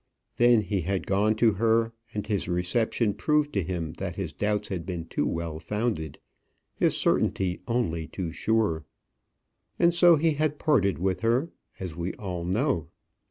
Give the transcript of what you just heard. Then he had gone to her, and his reception proved to him that his doubts had been too well founded his certainty only too sure. And so he had parted with her as we all know.